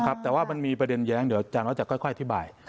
นะครับแต่ว่ามันมีประเด็นแย้งเดี๋ยวอาจารย์อาจจะค่อยค่อยอธิบาย